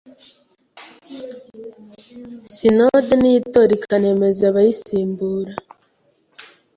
Sinode niyo itora ikanemeza abayisimbura